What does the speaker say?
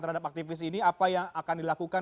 terhadap aktivis ini apa yang akan dilakukan